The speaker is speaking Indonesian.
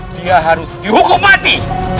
dia harus dihukum mati